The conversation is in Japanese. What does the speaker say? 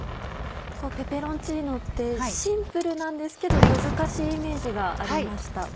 ペペロンチーノってシンプルなんですけど難しいイメージがありました。